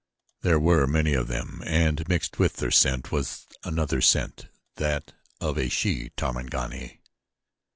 There were many of them, and mixed with their scent was another that of a she Tarmangani.